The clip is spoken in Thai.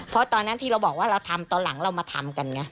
เพราะตอนนั้นที่เราบอกว่าเราทำตอนหลังเรามาทำกันไง